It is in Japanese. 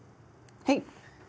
はい。